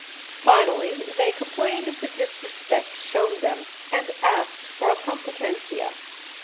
Finally they complained of the disrespect shown them and asked for a competencia.